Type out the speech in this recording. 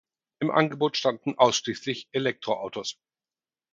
Im Angebot standen ausschließlich Elektroautos.